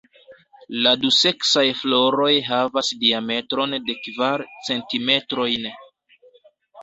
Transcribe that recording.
La duseksaj floroj havas diametron de kvar centimetrojn.